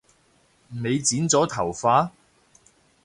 你剪咗頭髮？